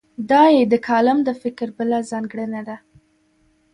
دا یې د کالم د فکر بله ځانګړنه ده.